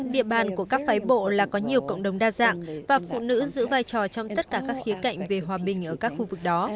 địa bàn của các phái bộ là có nhiều cộng đồng đa dạng và phụ nữ giữ vai trò trong tất cả các khía cạnh về hòa bình ở các khu vực đó